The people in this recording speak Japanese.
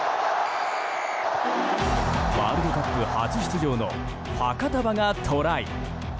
ワールドカップ初出場のファカタヴァがトライ！